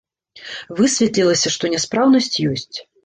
Высветлілася, што няспраўнасць ёсць.